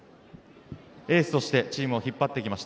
エースとしてチームを引っ張ってきました。